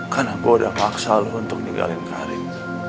karena gue udah maksa lo untuk nilain karin